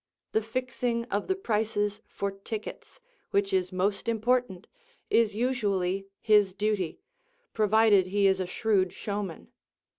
The fixing of the prices for tickets, which is most important, is usually his duty, provided he is a shrewd showman.